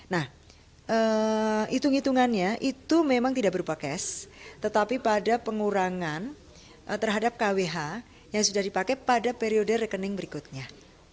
nah hitung hitungannya itu memang tidak berupa cash tetapi pada pengurangan terhadap kwh yang sudah dipakai pada periode rekening berikutnya